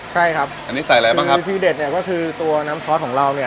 ใช่ครับอันนี้ใส่อะไรบ้างครับคือทีเด็ดเนี่ยก็คือตัวน้ำซอสของเราเนี่ย